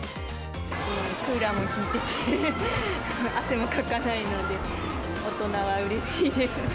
クーラーも効いてて、汗もかかないので、大人はうれしいです。